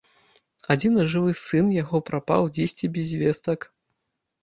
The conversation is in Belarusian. Адзіны жывы сын яго прапаў дзесьці без вестак!